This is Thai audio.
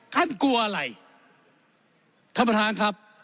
ท่านกลัวอะไร